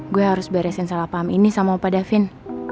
gue harus beresin salah paham ini sama opa devin